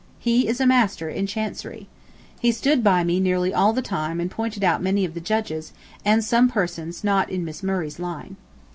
He is a master in chancery. He stood by me nearly all the time and pointed out many of the judges, and some persons not in Miss Murray's line.